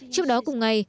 trước đó cùng ngày